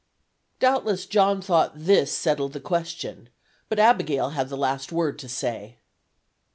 Doubtless John thought this settled the question; but Abigail had the last word to say.